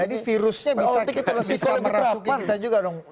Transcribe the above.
jadi virusnya bisa merasuki kita juga dong